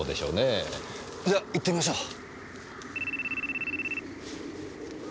じゃ行ってみましょう。